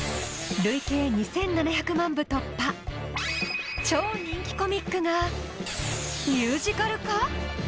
累計２７００万部突破超人気コミックがミュージカル化？